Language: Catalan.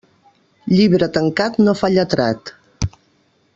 Llibre tancat no fa lletrat.